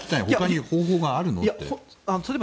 ほかに方法があるのって？